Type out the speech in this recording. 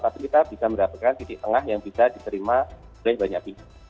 tapi kita bisa mendapatkan titik tengah yang bisa diterima oleh banyak pihak